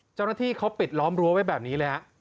เจ้าหน้าที่เขาปิดล้อมรั้วไว้แบบนี้เลยฮะ